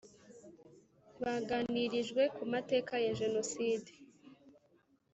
baganirijwe ku mateka ya Jenoside .